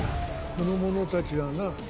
この者たちはな